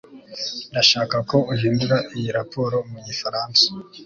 ndashaka ko uhindura iyi raporo mu gifaransa